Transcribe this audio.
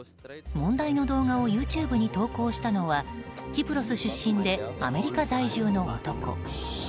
問題の動画をＹｏｕＴｕｂｅに投稿したのはキプロス出身でアメリカ在住の男。